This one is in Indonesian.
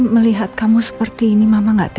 melihat kamu seperti ini mama gak tahu